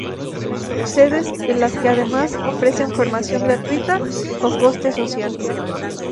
Sedes en las que además ofrecen formación gratuita o a coste social.